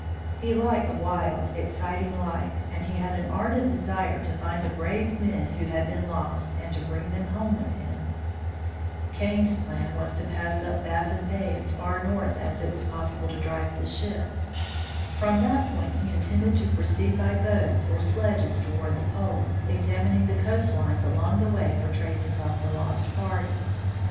He liked the wild, exciting life, and he had an ardent desire to find the brave men who had been lost, and to bring them home with him. 32 ELISHA KENT KANE 33 Kane's plan was to pass up Baffin bay as far north as it was possible to drive the ship. From that point he intended to proceed by boats or sledges toward the pole, examining the coast lines along the way for traces of the lost party.